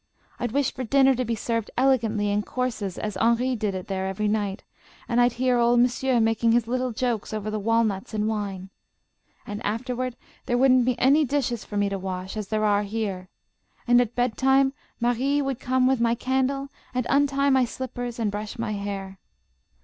I'd wish for dinner to be served elegantly in courses as Henri did it there every night, and I'd hear old Monsieur making his little jokes over the walnuts and wine. And afterward there wouldn't be any dishes for me to wash, as there are here, and at bedtime Marie would come with my candle and untie my slippers and brush my hair.